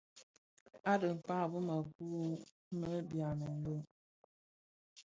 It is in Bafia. A dhikpaa, bi mëku më byamèn bi.